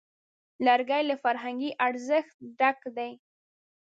لرګی له فرهنګي ارزښت ډک دی.